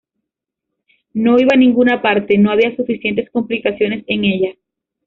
No iba a ninguna parte: no había suficientes complicaciones en ella".